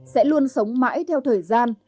sẽ luôn sống mãi theo thời gian